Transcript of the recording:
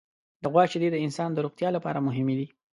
د غوا شیدې د انسان د روغتیا لپاره مهمې دي.